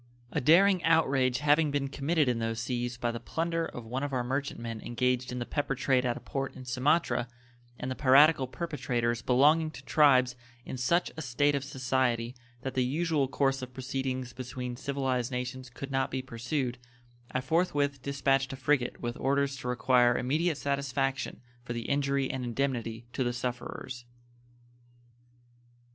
A daring outrage having been committed in those seas by the plunder of one of our merchant men engaged in the pepper trade at a port in Sumatra, and the piratical perpetrators belonging to tribes in such a state of society that the usual course of proceedings between civilized nations could not be pursued, I forthwith dispatched a frigate with orders to require immediate satisfaction for the injury and indemnity to the sufferers.